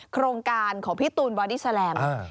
โครงการของพี่ตูนบอดี้แลม